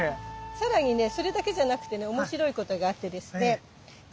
更にねそれだけじゃなくてねおもしろいことがあってですね。